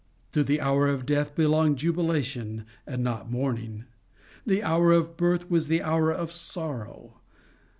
To the hour of death belonged jubilation and not mourning; the hour of birth was the hour of sorrow.